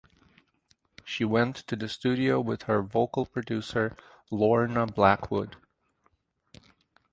She went to the studio with her vocal producer Lorna Blackwood.